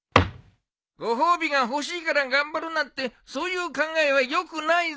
ご褒美が欲しいから頑張るなんてそういう考えはよくないぞ。